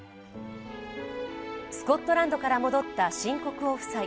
スコットランドから戻った新国王夫妻。